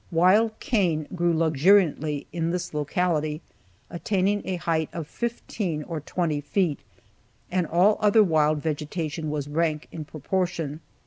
Wild cane grew luxuriantly in this locality, attaining a height of fifteen or twenty feet, and all other wild vegetation was rank in proportion.